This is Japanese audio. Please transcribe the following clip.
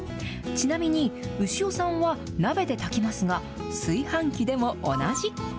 ちなみに、牛尾さんは鍋で炊きますが、炊飯器でも同じ。